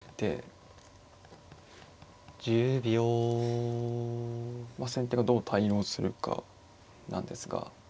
まあ先手がどう対応するかなんですが。